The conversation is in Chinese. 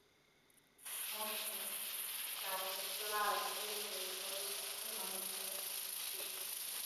同时雅罗斯拉夫尔历来被认为是俄罗斯金环的主要组成地区之一。